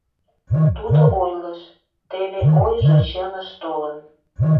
Тудо ойлыш, теве ойжо чыныш толын.